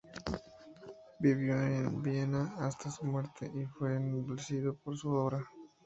Vivió en Viena hasta su muerte, y fue ennoblecido por su obra.